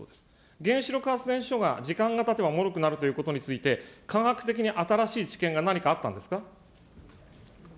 原子力発電所が時間がたてばもろくなるということについて、科学的に新しい知見が何かあったんですか。